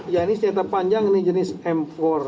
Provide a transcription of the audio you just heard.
ya ini senjata panjang ini jenis m empat